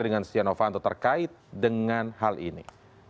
dengan stiano fanto terkait dengan hal ini